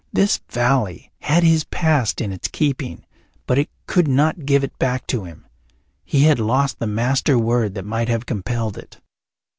This valley had his past in its keeping, but it could not give it back to him; he had lost the master word that might have compelled it.